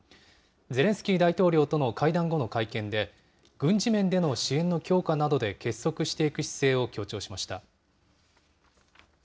ゼレンスキー大統領との会談後の会見で、軍事面での支援の強化などで結束していく姿勢を強調しま